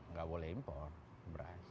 enggak boleh impor beras